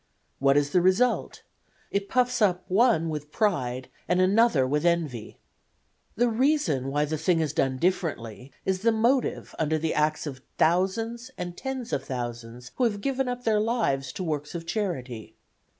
What is the result? It puffs up one with pride and another with envy. "The reason why the thing is done differently is the motive under the acts of thousands and tens of thousands who have given up their lives to works of charity.